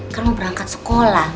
kan mau berangkat sekolah